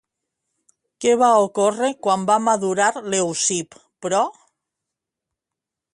Què va ocórrer quan va madurar Leucip, però?